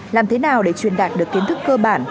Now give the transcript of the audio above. làm thế nào để truyền đạt được kiến thức cơ bản